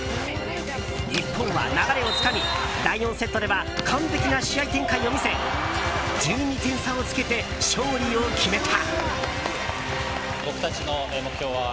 日本は流れをつかみ第４セットでは完璧な試合展開を見せ１２点差をつけて勝利を決めた。